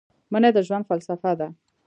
مني د ژوند فلسفه ده